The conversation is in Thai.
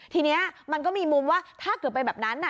ทีนี้มันก็มีมุมว่าถ้าเกิดเป็นแบบนั้น